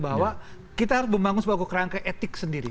bahwa kita harus membangun sebuah kerangka etik sendiri